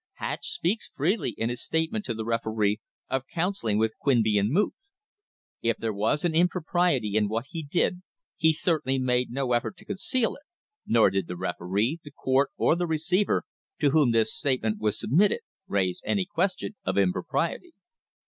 Hatch speaks freely in his state ment to the referee of counselling with Quinby and Moot* If there was an impropriety in what he did, he certainly made no effort to conceal it, nor did the referee, the court, or the receiver, to whom this statement was submitted, raise any question of impropriety.